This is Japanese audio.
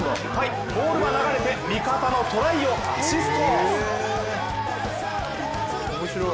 ボールは流れて味方のトライをアシスト。